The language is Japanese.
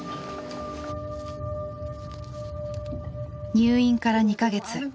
入院から２か月。